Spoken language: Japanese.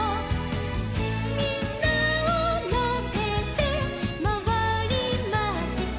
「みんなをのせてまわりました」